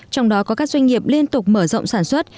trong đó có các doanh nghiệp liên tục mở rộng sản xuất